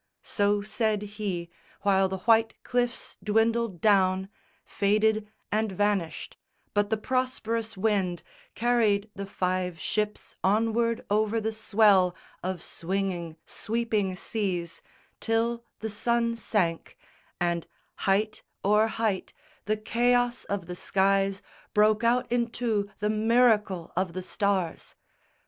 So said he, while the white cliffs dwindled down, Faded, and vanished; but the prosperous wind Carried the five ships onward over the swell Of swinging, sweeping seas, till the sun sank, And height o'er height the chaos of the skies Broke out into the miracle of the stars.